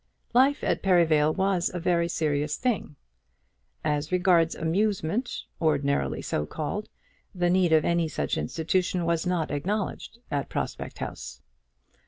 Life at Perivale was a very serious thing. As regards amusement, ordinarily so called, the need of any such institution was not acknowledged at Prospect House.